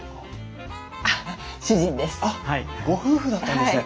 あっご夫婦だったんですね。